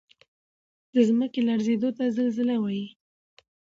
د ځمکې لړزیدو ته زلزله وایي